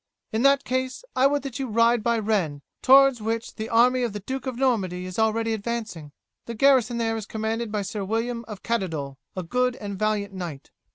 "In that case I would that you ride by Rennes, towards which the army of the Duke of Normandy is already advancing. The garrison there is commanded by Sir William of Caddoudal, a good and valiant knight."